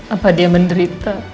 apa dia menderita